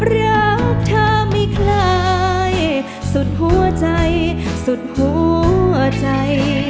รักเธอไม่คล้ายสุดหัวใจสุดหัวใจ